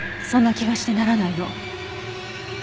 そんな気がしてならないの。